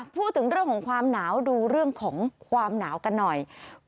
พูดถึงเรื่องของความหนาวดูเรื่องของความหนาวกันหน่อย